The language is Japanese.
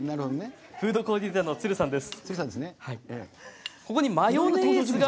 フードコーディネーターの都留さんです。